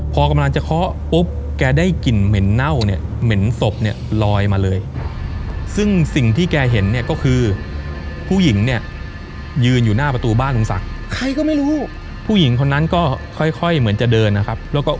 พอกำลังจะเคาะปุ๊บแกได้กลิ่นเหม็นเน่าเนี่ยเหม็นศพเนี่ยลอยมาเลยซึ่งสิ่งที่แกเห็นเนี่ยก็คือผู้หญิงเนี่ยยืนอยู่หน้าประตูบ้านลุงศักดิ์ใครก็ไม่รู้ผู้หญิงคนนั้นก็ค่อยค่อยเหมือนจะเดินนะครับแล้วก็